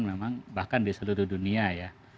memang bahkan di seluruh dunia ya